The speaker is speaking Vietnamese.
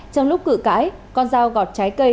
trong lúc cử cãi con dao gọt trái cây